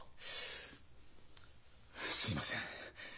すみません。